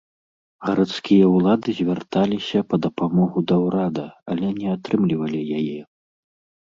Гарадскія ўлады звярталіся па дапамогу да ўрада, але не атрымлівалі яе.